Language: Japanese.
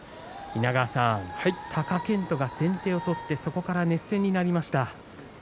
稲川さん、貴健斗が先手を取ってそこから熱戦になりました。